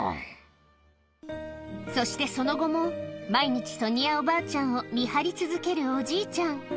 そしてその後も毎日、ソニアおばあちゃんを見張り続けるおじいちゃん。